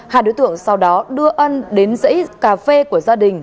hai đứa tượng sau đó đưa ân đến giấy cà phê của gia đình